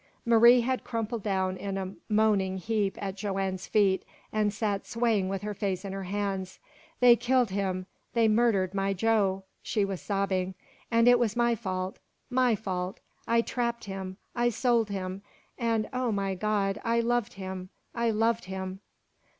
Marie had crumpled down in a moaning heap at Joanne's feet, and sat swaying with her face in her hands. "They killed him they murdered my Joe!" she was sobbing. "And it was my fault my fault! I trapped him! I sold him! And, oh, my God, I loved him I loved him!"